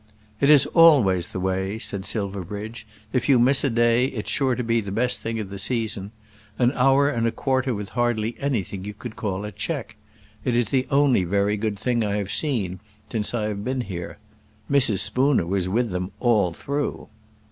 "It is always the way," said Silverbridge. "If you miss a day, it is sure to be the best thing of the season. An hour and a quarter with hardly anything you could call a check! It is the only very good thing I have seen since I have been here. Mrs. Spooner was with them all through."